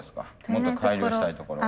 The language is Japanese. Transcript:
もっと改良したいところ。